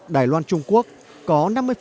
đài loan trung quốc có năm mươi